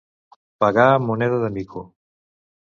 Pagar amb moneda de mico.